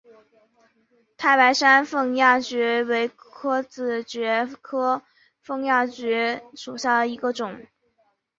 太白山凤丫蕨为裸子蕨科凤丫蕨属下的一个种。